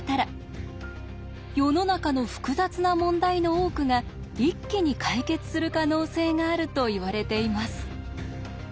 世の中の複雑な問題の多くが一気に解決する可能性があるといわれています。